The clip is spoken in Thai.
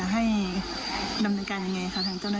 ก็ผู้ใหญ่ต้องการเชื่อแต่เขาก็คุยกันค่ะ